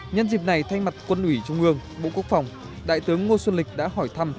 nhân dịp này thay mặt quân ủy trung ương bộ quốc phòng đại tướng ngô xuân lịch đã hỏi thăm